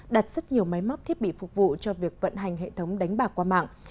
đặt rất nhiều máy móc thiết bị phục vụ cho việc vận hành hệ thống đánh bạc qua mạng